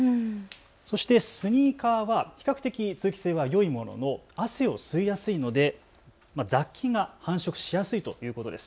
そしてスニーカーは比較的通気性はよいものの汗を吸いやすいので雑菌が繁殖しやすいということです。